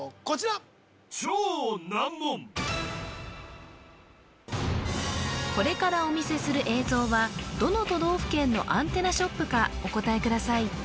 こちらこれからお見せする映像はどの都道府県のアンテナショップかお答えください